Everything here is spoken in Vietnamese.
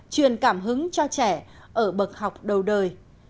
truyền cảm hứng cho trẻ ở bậc học đầu đời